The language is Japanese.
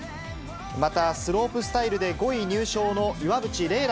またスロープスタイルで５位入賞の岩渕麗